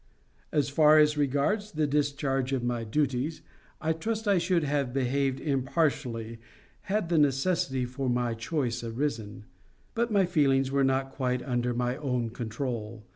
As far as regards the discharge of my duties, I trust I should have behaved impartially had the necessity for any choice arisen. But my feelings were not quite under my own control.